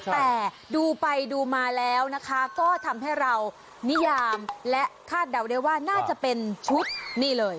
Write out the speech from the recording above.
แต่ดูไปดูมาแล้วนะคะก็ทำให้เรานิยามและคาดเดาได้ว่าน่าจะเป็นชุดนี่เลย